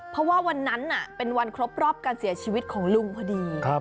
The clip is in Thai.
เพราะว่าวันนั้นเป็นวันครบรอบการเสียชีวิตของลุงพอดี